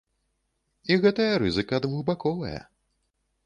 І гэтая рызыка двухбаковая.